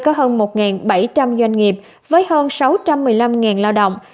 có hơn một bảy trăm linh doanh nghiệp với hơn sáu trăm một mươi năm lao động